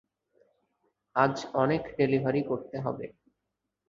আজ অনেক ডেলিভারি করতে হবে।